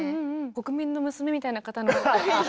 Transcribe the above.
国民の娘みたいな方なので。